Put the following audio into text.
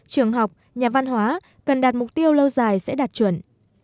trường học nhà văn hóa cần đạt mục tiêu lâu dài sẽ đạt chuẩn